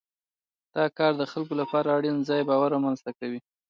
دا کار د خلکو لپاره اړین ځان باور رامنځته کوي.